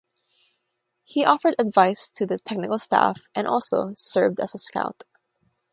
He offered advice to the technical staff and also served as a scout.